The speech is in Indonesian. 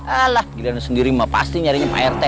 alah giliran sendiri emak pasti nyarinya pak rt